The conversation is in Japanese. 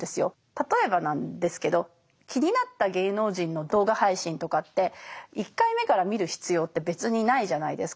例えばなんですけど気になった芸能人の動画配信とかって１回目から見る必要って別にないじゃないですか。